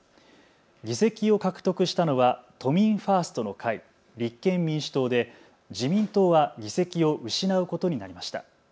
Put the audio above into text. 議席を獲得したのは都民ファーストの会、立憲民主党で、自民党は議席を失うことになりました。